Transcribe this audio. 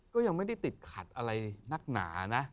ก็ยังไม่ได้ติดขัดอะไรนักหนานะ